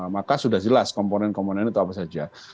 maka sudah jelas komponen komponen itu apa saja